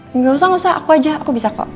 nggak usah ngusah aku aja aku bisa kok